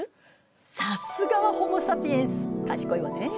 さすがはホモ・サピエンス賢いわね。